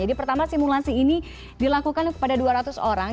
jadi pertama simulasi ini dilakukan kepada dua ratus orang